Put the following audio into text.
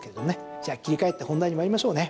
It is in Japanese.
じゃあ切り替えて本題に参りましょうね。